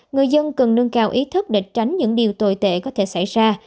người dân cần nâng cao ý thức để tránh những điều tồi tệ có thể xảy ra